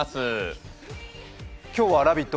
今日は「ラヴィット！」